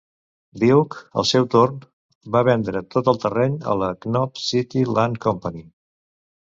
Duke, al seu torn, va vendre tot el terreny a la Knob City Land Company.